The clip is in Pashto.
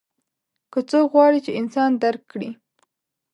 که څوک غواړي چې انسان درک کړي.